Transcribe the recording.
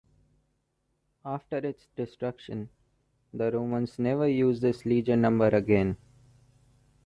After its destruction, the Romans never used this legion number again.